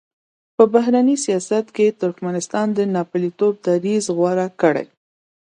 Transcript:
په بهرني سیاست کې ترکمنستان د ناپېیلتوب دریځ غوره کړی.